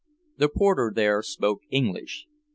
The porter there spoke English.